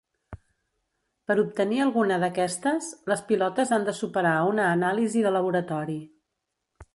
Per obtenir alguna d'aquestes, les pilotes han de superar una anàlisi de laboratori.